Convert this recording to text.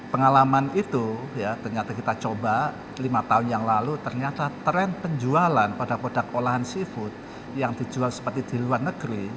pengalaman itu ya ternyata kita coba lima tahun yang lalu ternyata tren penjualan pada produk olahan seafood yang dijual seperti di luar negeri